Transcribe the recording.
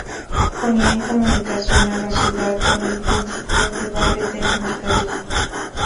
Ponía en comunicación a la ciudad con el incipiente barrio del Mercadillo.